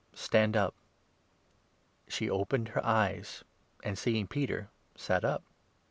stand up." She opened her eyes, and, seeing Peter, sat up.